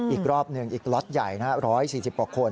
อีกรอบหนึ่งอีกล็อตใหญ่นะ๑๔๐กว่าคน